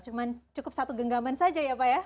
cuma cukup satu genggaman saja ya pak ya